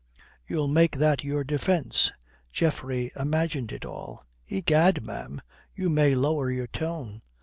You'll make that your defence. Geoffrey imagined it all." "Egad, ma'am, you may lower your tone.